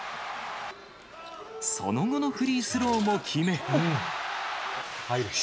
その後のフリースローも決め。